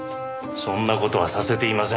そんな事はさせていません。